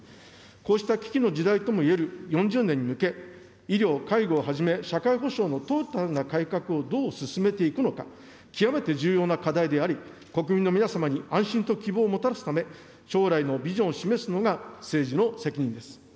こうした危機の時代ともいえる４０年に向け、医療、介護をはじめ社会保障のトータルな改革をどう進めていくのか、極めて重要な課題であり、国民の皆様に安心と希望をもたらすため、将来のビジョンを示すのが政治の責任です。